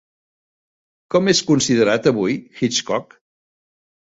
Com és considerat avui Hitchcock?